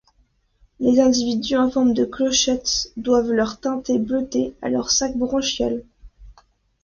Les individus, en forme de clochette, doivent leur teinte bleutée à leur sac branchial.